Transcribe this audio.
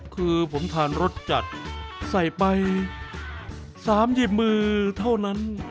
คือผมทานรสจัดใส่ไป๓๐มือเท่านั้น